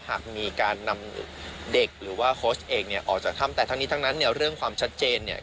หากมีการนำเด็กหรือว่าโค้ชเอกเนี่ยออกจากถ้ำแต่ทั้งนี้ทั้งนั้นเนี่ยเรื่องความชัดเจนเนี่ย